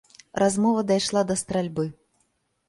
Размова дайшла да стральбы.